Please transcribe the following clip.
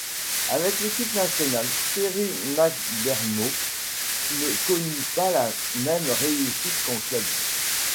Avec l'équipe nationale, Terry McDermott ne connut pas la même réussite qu'en club.